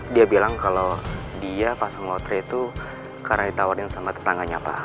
dia bilang kalau dia pas ngotre itu karena ditawarin sama tetangganya pak